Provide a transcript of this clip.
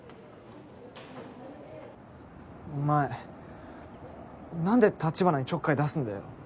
お前何で橘にちょっかい出すんだよ？